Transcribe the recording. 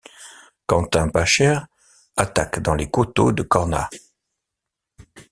Quentin Pacher attaque dans les coteaux de Cornas.